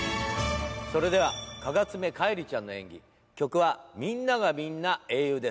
それでは蚊爪海璃ちゃんの演技曲は『みんながみんな英雄』です。